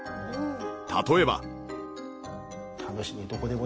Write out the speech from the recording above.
例えば。